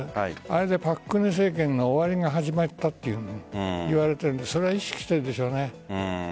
あれで朴槿恵政権の終わりが始まったといわれているのでそれは意識しているでしょうね。